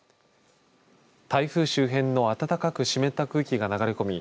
台風周辺の暖かく湿った空気が流れ込み